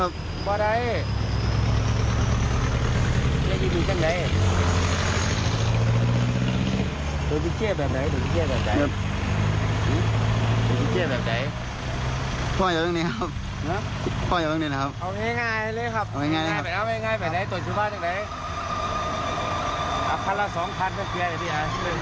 ตรง๘๐๐๐บาทแล้วไปกันไหม